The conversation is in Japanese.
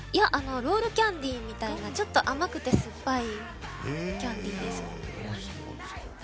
ロールキャンディーみたいなちょっと甘くて酸っぱいキャンディーですね。